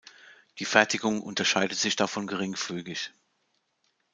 Die Fertigung unterscheidet sich davon geringfügig.